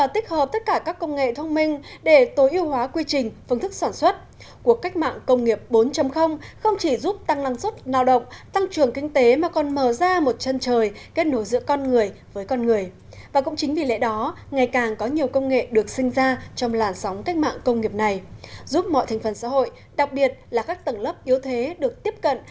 điều này giúp đảm bảo mọi thành phần xã hội đặc biệt là các tầng lớp ít được tiếp cận